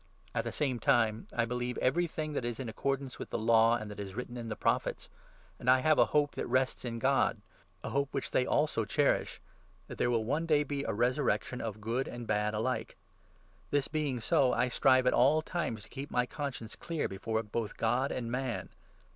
At the same time, I believe everything that is in accordance with the Law and that is written in the Prophets ; and I have a hope that rests in God — a hope which they also 15 cherish — that there will one day be a resurrection of good and bad alike. This being so, I strive at all times to keep my 16 conscience clear before both God and man.